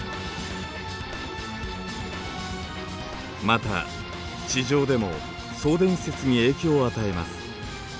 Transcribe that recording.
また地上でも送電施設に影響を与えます。